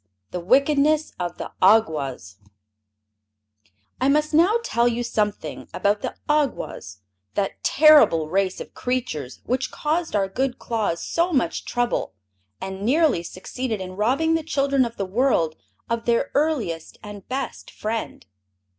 The Wickedness of the Awgwas I must now tell you something about the Awgwas, that terrible race of creatures which caused our good Claus so much trouble and nearly succeeded in robbing the children of the world of their earliest and best friend.